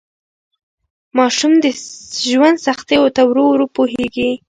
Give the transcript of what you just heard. ماشوم د ژوند سختیو ته ورو ورو پوهیږي.